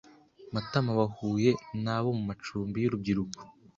Matamawahuye nabo mumacumbi y'urubyiruko.